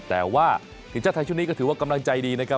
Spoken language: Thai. แต่ว่าทีมชาติไทยชุดนี้ก็ถือว่ากำลังใจดีนะครับ